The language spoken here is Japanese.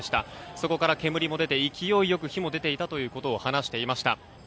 そこから煙も出て勢いよく火も出ていたということを話していました。